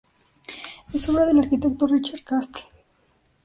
Es obra del arquitecto Richard Castle.